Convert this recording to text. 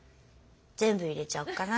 「全部入れちゃおうかな」。